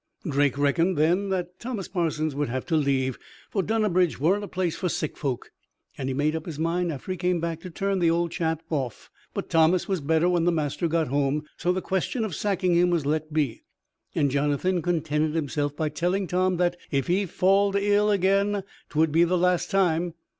Drake reckoned then that Thomas Parsons would have to leave, for Dunnabridge weren't a place for sick folk; and he'd made up his mind after he came back to turn the old chap off; but Thomas was better when the master got home, so the question of sacking him was let be, and Jonathan contented himself by telling Tom that, if he falled ill again, 'twould be the last time.